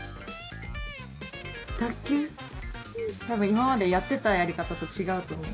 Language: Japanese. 今までやってたやり方と違うと思う。